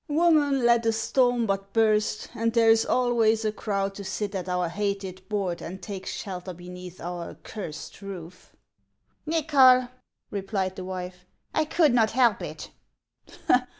" Woman, let a storm but burst, and there is always a crowd to sit at our hated board and take shelter beneath our accursed roof." " Xychol," replied the wife, " I could not help it